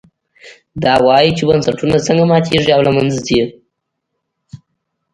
دا وایي چې بنسټونه څنګه ماتېږي او له منځه ځي.